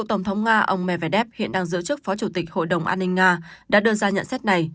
tổng thống nga ông medvedev hiện đang giữ chức phó chủ tịch hội đồng an ninh nga đã đưa ra nhận xét này